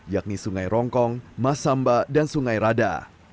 yakni sungai rongkong masamba dan sungai rada